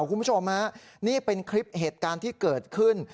คุณผู้ชมฮะนี่เป็นคลิปเหตุการณ์ที่เกิดขึ้น